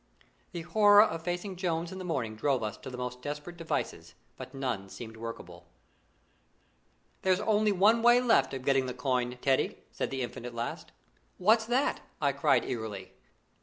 The horror of facing Jones in the morning drove us to the most desperate devices; but none seemed workable. "There's only one way left of getting the coin, Teddy," said the Infant at last. "What's that?" I cried eagerly.